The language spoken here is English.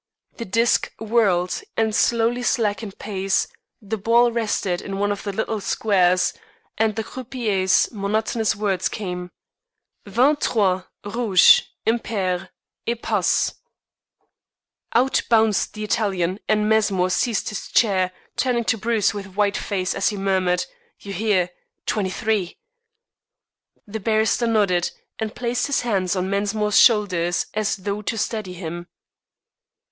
The disc whirled and slowly slackened pace, the ball rested in one of the little squares, and the croupier's monotonous words came: "Vingt trois, rouge, impair, et passe!" Out bounced the Italian, and Mensmore seized his chair, turning to Bruce with white face as he murmured: "You hear! Twenty three!" The barrister nodded, and placed his hands on Mensmore's shoulders as though to steady him.